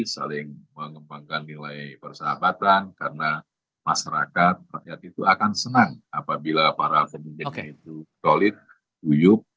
saling mengembangkan nilai persahabatan karena masyarakat rakyat itu akan senang apabila para pemimpinnya itu solid uyuk